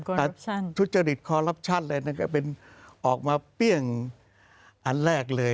คอลลับชั่นทุจริตคอลลับชั่นเลยนะครับเป็นออกมาเปรี้ยงอันแรกเลย